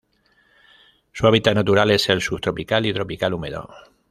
Su hábitat natural es el subtropical y tropical húmedo.